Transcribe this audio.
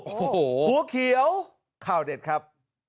หัวเขียวข้าวเด็ดครับ